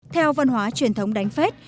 theo văn hóa truyền thống đánh phết